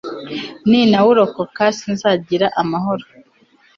nintawurokoka sinzagira amahoro